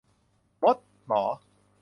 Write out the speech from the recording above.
มด-หมอ